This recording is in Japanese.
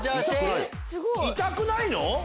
痛くないの？